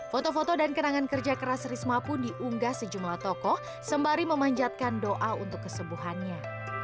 foto foto dan kenangan kerja keras risma pun diunggah sejumlah tokoh sembari memanjatkan doa untuk kesembuhannya